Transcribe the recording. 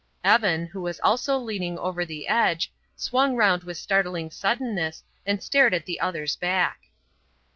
Evan, who was also leaning over the edge, swung round with startling suddenness and stared at the other's back.